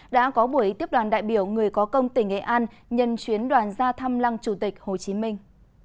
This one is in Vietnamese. đã có buổi tiếp đoàn đại biểu người có công tỉnh nghệ an nhân chuyến đoàn ra thăm lăng chủ tịch hồ chí minh